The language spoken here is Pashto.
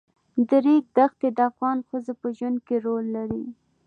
د ریګ دښتې د افغان ښځو په ژوند کې رول لري.